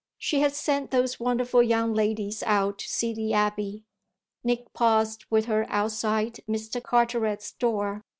She had sent those wonderful young ladies out to see the abbey. Nick paused with her outside Mr. Carteret's door.